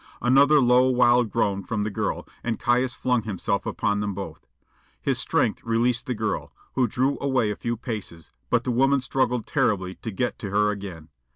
Another low wild groan from the girl, and Caius flung himself upon them both. His strength released the girl, who drew away a few paces; but the woman struggled terribly to get to her again.